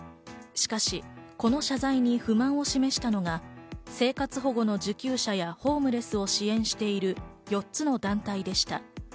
しかし、この謝罪に不満を示したのが、生活保護の受給者やホームレスを支援している４つの団体でした。